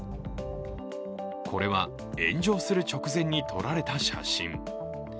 これは炎上する直前に撮られた写真。